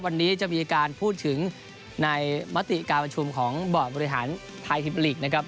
วันนี้จะมีการพูดถึงในมติการประชุมของบอร์ดบริหารไทยพิมลีกนะครับ